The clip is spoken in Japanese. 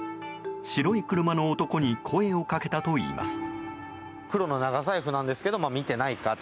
白い車の男に声をかけたといいます。